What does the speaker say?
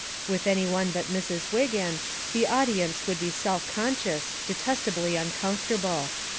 With any one but Mrs. Wiggin the audience would be self conscious, detestably uncomfortable.